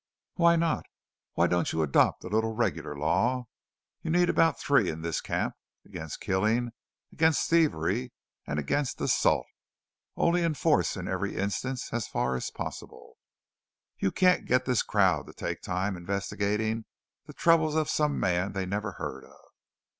"Why not? Why don't you adopt a little regular law? You need about three in this camp against killing, against thievery, and against assault. Only enforce in every instance, as far as possible." "You can't get this crowd to take time investigating the troubles of some man they never heard of."